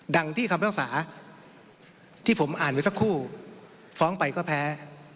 ดั่งที่คำรักษาที่ผมอ่านไว้สักคู่ฟ้องไปก็แพ้